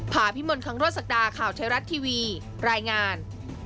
ผ่าพิมลคังโรศักดาข่าวไทยรัฐทีวีรายงาน